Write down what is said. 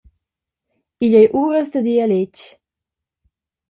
Igl ei uras dad ir a letg.